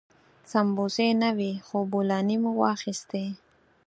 سمبوسې نه وې خو بولاني مو واخيستې.